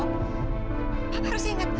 pak harus ingat